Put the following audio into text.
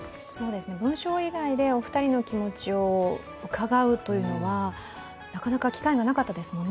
文章以外でお二人のお気持ちを伺うというのはなかなか機会がなかったですね。